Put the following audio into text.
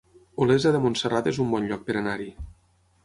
Olesa de Montserrat es un bon lloc per anar-hi